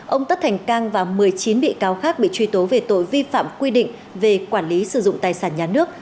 ông tất thành cang và một mươi chín bị cáo khác bị truy tố về tội vi phạm quy định về quản lý sử dụng tài sản nhà nước